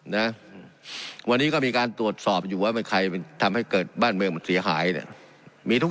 นะวันนี้ก็มีการตรวจสอบอยู่ว่าเป็นใครทำให้เกิดบ้านเมืองมันเสียหายเนี่ยมีทุก